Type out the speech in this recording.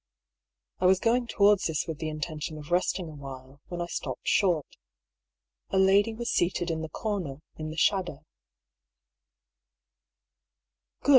I was going towards this with the intention of resting awhile, when I stopped short. A lady was seated in the corner, in the shadow.